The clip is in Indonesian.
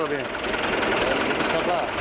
lebih besar pak